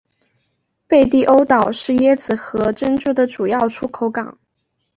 贝蒂欧岛是椰子核和珍珠的主要出口港。